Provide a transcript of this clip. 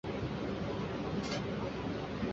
嘉靖十一年壬辰科第三甲第二百零七名进士。